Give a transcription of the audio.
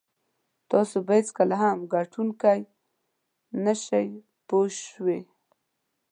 تاسو به هېڅکله هم ګټونکی نه شئ پوه شوې!.